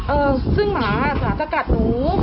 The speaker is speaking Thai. เออซึ่งหมาอ่ะสนับสกัดหนู